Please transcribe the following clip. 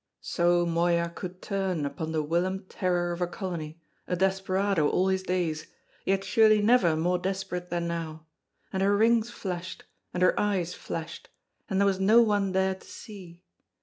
So Moya could turn upon the whilom terror of a colony, a desperado all his days, yet surely never more desperate than now; and her rings flashed, and her eyes flashed, and there was no one there to see!